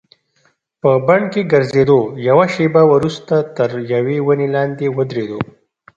په بڼ کې ګرځېدو، یوه شیبه وروسته تر یوې ونې لاندې ودریدو.